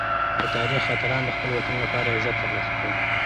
د تاریخ اتلان د خپل وطن لپاره عزت ترلاسه کوي.